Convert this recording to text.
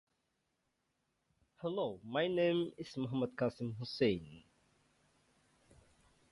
The current superintendent is Robert F. McKeveny.